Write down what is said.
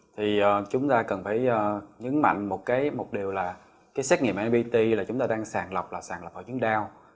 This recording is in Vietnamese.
thì chúng ta cần phải nhấn mạnh một điều là cái xét nghiệm nipt là chúng ta đang sàn lọc là sàn lọc hội chứng đau